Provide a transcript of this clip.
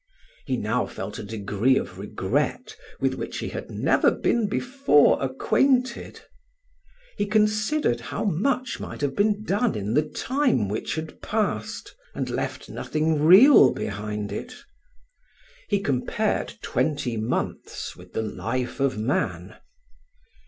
He now felt a degree of regret with which he had never been before acquainted. He considered how much might have been done in the time which had passed, and left nothing real behind it. He compared twenty months with the life of man.